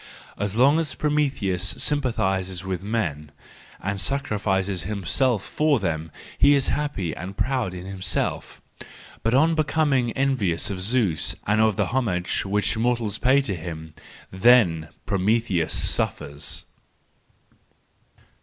As long as Prometheus sympathises with men and sacrifices himself for them, he is happy and proud in himself; but on becoming envious of Zeus and of the homage which mortals pay him—then Prometheus suffers!